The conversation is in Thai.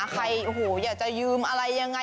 ใครโอ้โหอยากจะยืมอะไรยังไง